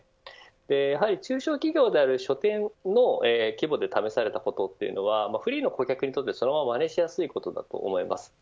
やはり中小企業である書店の規模で試されたことはｆｒｅｅｅの顧客にとってそのまま、真似しやすいことだと思います。